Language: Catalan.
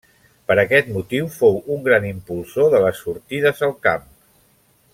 Per aquest motiu fou un gran impulsor de les sortides al camp.